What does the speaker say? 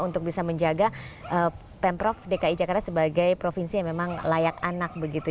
untuk bisa menjaga pemprov dki jakarta sebagai provinsi yang memang layak anak begitu